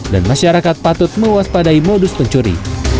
dan masyarakat patut mewaspadai modus pencuri